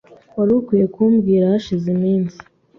Wari ukwiye kumbwira hashize iminsi.